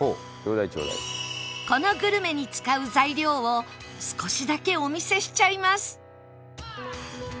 このグルメに使う材料を少しだけお見せしちゃいます